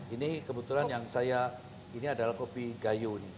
ini kebetulan yang saya ini adalah kopi gayo ini